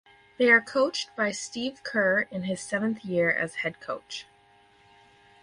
They are coached by Steve Kerr in his seventh year as head coach.